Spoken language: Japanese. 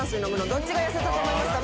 どっちが痩せたと思いますか？